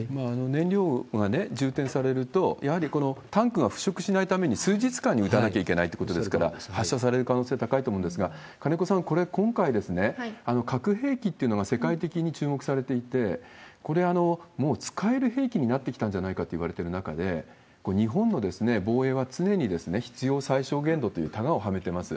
燃料は充填されると、やはりタンクが腐食しないために、数日間に撃たなきゃいけないということですから、発射される可能性高いと思うんですが、金子さん、これ、今回、核兵器というのが世界的に注目されていて、これ、もう使える兵器になってきたんじゃないかといわれている中で、日本の防衛は常に必要最小限度というたがをはめてます。